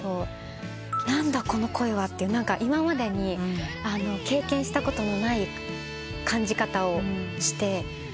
この声は」って今までに経験したことのない感じ方をして。